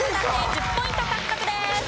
１０ポイント獲得です。